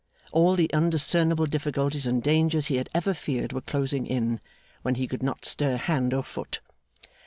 All the undiscernible difficulties and dangers he had ever feared were closing in, when he could not stir hand or foot.